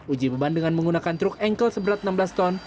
uji beban dengan menggunakan truk ankle seberat enam belas ton